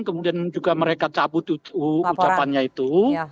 kemudian juga mereka cabut ucapannya itu